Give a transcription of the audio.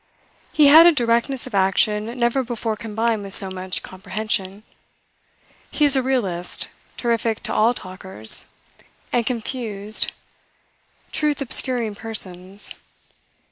He had a directness of action never before combined with so much comprehension. He is a realist, terrific to all talkers, and confused truth obscuring persons.